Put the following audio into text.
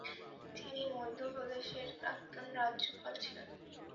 তিনি মধ্যপ্রদেশের প্রাক্তন রাজ্যপাল ছিলেন।